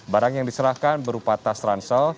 barang yang diserahkan berupa tas ransel